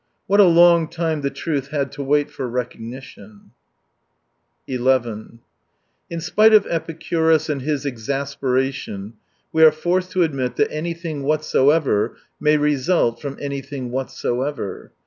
What a long time the truth had to wait for recognition ! II In spite of Epicurus and his exasperation we are forced to admit that anything what soever may result from anything whatso^ ever.